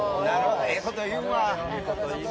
ええこと言うわ。